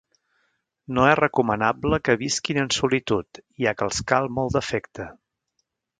No és recomanable que visquin en solitud, ja que els cal molt d'afecte.